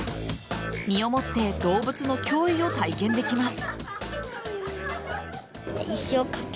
身をもって動物の脅威を体験できます。